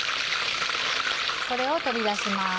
これを取り出します。